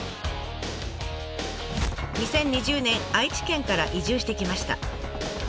２０２０年愛知県から移住してきました。